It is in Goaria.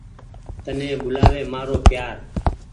تني ٻولآوي مآرو پيآر۔